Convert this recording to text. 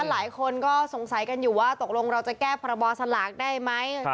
หลายคนก็สงสัยกันอยู่ว่าตกลงเราจะแก้พรบสลากได้ไหม